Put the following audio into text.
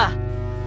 ijin buat dekatnya